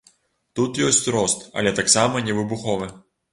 Тут ёсць рост, але таксама не выбуховы.